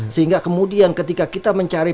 sehingga kemudian ketika kita mencari